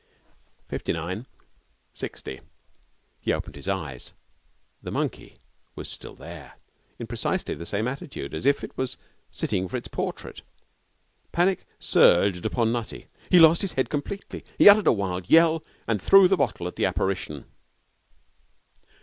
'... Fifty nine ... sixty.' He opened his eyes. The monkey was still there, in precisely the same attitude, as if it was sitting for its portrait. Panic surged upon Nutty. He lost his head completely. He uttered a wild yell and threw the bottle at the apparition.